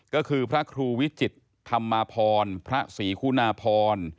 ก็คือพระครูวิจิตรธรรมพรพระศรีคุณาพร